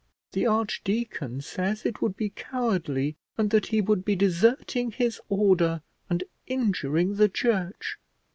The archdeacon says it would be cowardly, and that he would be deserting his order, and injuring the church.